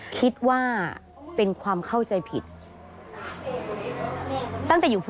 เพื่อที่จะได้หายป่วยทันวันที่เขาชีจันทร์จังหวัดชนบุรี